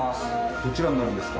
どちらになるんですか？